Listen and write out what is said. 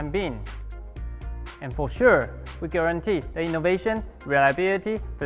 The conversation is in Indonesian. dan dengan pasti kami memastikan inovasi ini akan berhasil